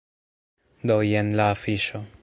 Do, jen la afiŝo.